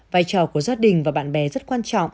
vai trò của gia đình và bạn bè rất quan trọng